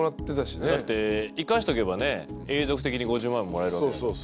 だって生かしとけば永続的に５０万円もらえるわけだから。